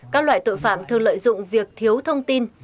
các loại tội phạm thường lợi dụng việc thiếu thông tin